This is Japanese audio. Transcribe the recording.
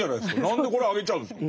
何でこれあげちゃうんですか。